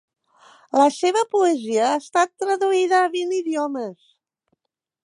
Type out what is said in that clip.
La seva poesia ha estat traduïda a vint idiomes.